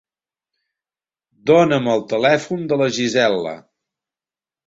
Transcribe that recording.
Dona'm el telèfon de la Gisel·la.